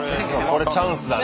これチャンスだね。